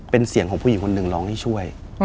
เป็นเสียงของผู้หญิงคนหนึ่งร้องให้ช่วย